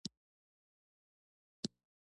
ترموز د افغاني کورونو ارزښت لري.